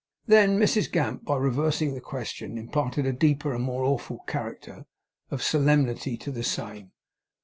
Then Mrs Gamp, by reversing the question, imparted a deeper and more awful character of solemnity to the same.